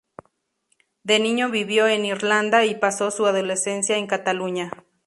De niño vivió en Irlanda, y pasó su adolescencia en Cataluña.